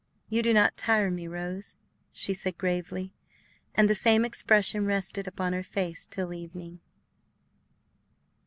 "You do not tire me, Rose," she said gravely. And the same expression rested upon her face till evening.